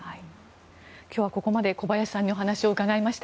今日はここまで小林さんにお話を伺いました。